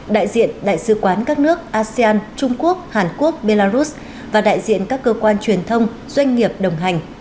đại diện đại sứ quán các nước asean trung quốc hàn quốc belarus và đại diện các cơ quan truyền thông doanh nghiệp đồng hành